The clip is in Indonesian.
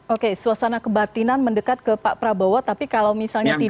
oke suasana kebatinan mendekat ke pak prabowo tapi kalau misalnya tidak